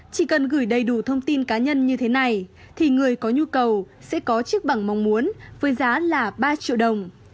chỉ cần gửi đầy đủ thông tin cá nhân như thế này thì người có nhu cầu sẽ có chiếc bằng mong muốn với giá là ba triệu đồng